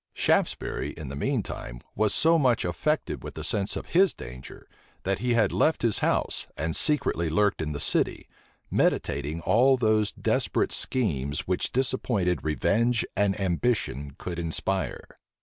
Shaftesbury, in the mean time, was so much affected with the sense of his danger, that he had left his house, and secretly lurked in the city; meditating all those desperate schemes which disappointed revenge and ambition could inspire.